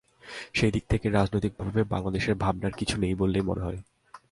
সেদিক থেকে রাজনৈতিকভাবে বাংলাদেশের ভাবনার কিছু নেই বলেই মনে হয়।